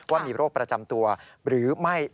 ว่ามีโรคประจำตัวหรือไม่